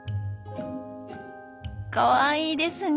かわいいですね。